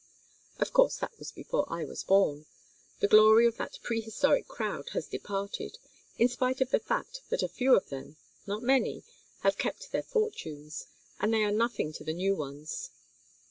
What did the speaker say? Of course that was before I was born. The glory of that prehistoric crowd has departed, in spite of the fact that a few of them not many have kept their fortunes and they are nothing to the new ones.